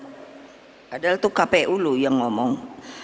padahal itu kpu loh yang ngomong